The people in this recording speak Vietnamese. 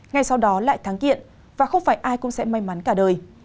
ngay sau đó lại thắng kiện và không phải ai cũng sẽ may mắn cả đời